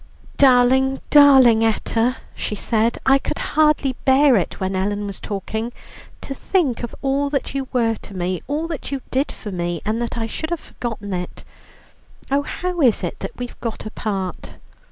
"Darling, darling Etta," she said, "I could hardly bear it, when Ellen was talking. To think of all that you were to me, all that you did for me, and that I should have forgotten it. Oh, how is it that we've got apart?"